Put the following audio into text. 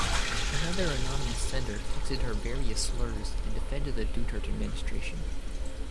Another anonymous sender texted her various slurs and defended the Duterte administration.